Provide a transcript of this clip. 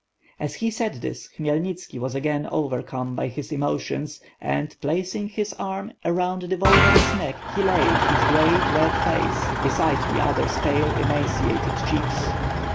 As he said this, Khmyelnitski was again overcome by his emotions and, placing his arm around the Voyevoda's neck, he laid his great red face beside the other^s pale, emaciated cheeks.